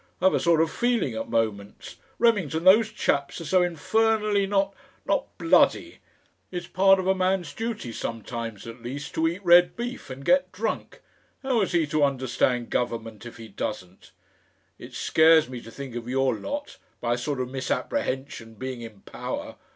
I've a sort of feeling at moments Remington, those chaps are so infernally not not bloody. It's part of a man's duty sometimes at least to eat red beef and get drunk. How is he to understand government if he doesn't? It scares me to think of your lot by a sort of misapprehension being in power.